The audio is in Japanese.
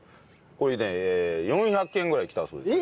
これね４００件ぐらい来たそうです。